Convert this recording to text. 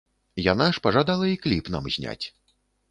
Яна ж пажадала і кліп нам зняць.